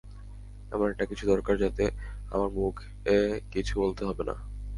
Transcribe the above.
এমন একটা কিছু দরকার যাতে আমার মুখে কিছু বলতে হবে না।